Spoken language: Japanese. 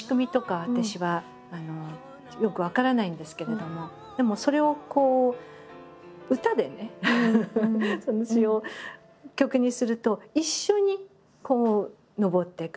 私はよく分からないんですけれどもでもそれを歌でねその詞を曲にすると一緒にのぼっていく。